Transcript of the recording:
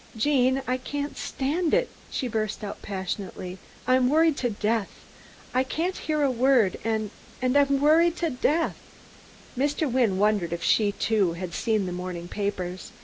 "Gene, I can't stand it," she burst out passionately. "I'm worried to death. I can't hear a word, and I'm worried to death." Mr. Wynne wondered if she, too, had seen the morning papers.